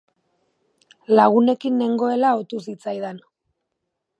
Lagunekin nengoela otu zitzaidan.